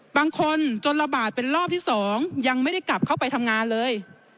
จนระบาดเป็นรอบที่๒ยังไม่ได้กลับเข้าไปทำงานเลย